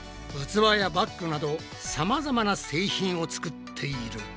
器やバッグなどさまざまな製品を作っている。